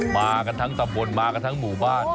มากันทั้งตำบลมากันทั้งหมู่บ้าน